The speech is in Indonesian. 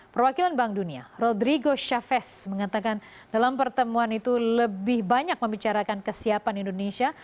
perwakilan bank dunia rodrigo chavez mengatakan dalam pertemuan itu lebih banyak membicarakan kesiapan indonesia